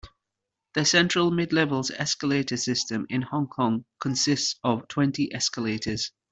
The Central-Midlevels escalator system in Hong Kong consists of twenty escalators.